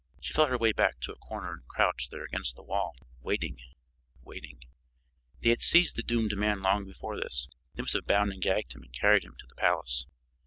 She felt her way back to a corner and crouched there against the wall, waiting, waiting. They had seized the doomed man long before this. They must have bound and gagged him and carried him to the palace.